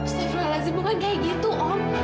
steffra lazim bukan kayak gitu om